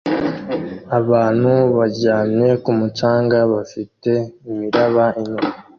Abantu baryamye ku mucanga bafite imiraba inyuma